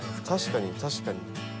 確かに確かに。